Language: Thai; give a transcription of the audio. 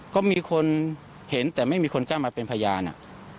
ก็มีคนเห็นแต่ไม่มีคนกล้ามาเป็นพยาน